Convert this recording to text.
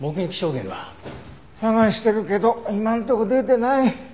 捜してるけど今んとこ出てない。